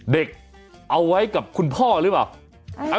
เด็กเอาไว้กับคุณพ่อหรือเปล่า